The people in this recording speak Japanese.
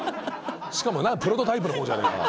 しかもプロトタイプの方じゃねえか。